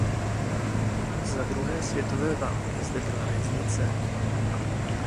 Za druhé světové války zde byla věznice.